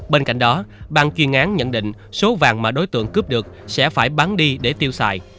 bên cạnh đó bàn chuyên án nhận định số vàng mà đối tượng cướp được sẽ phải bán đi để tiêu xài